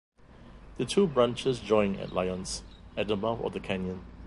The two branches join at Lyons, at the mouth of the canyon.